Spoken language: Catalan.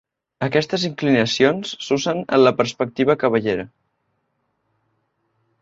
Aquestes inclinacions s'usen en la perspectiva cavallera.